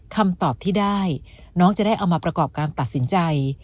คำตอบที่ได้น้องจะได้เอามาประกอบการตัดสินใจ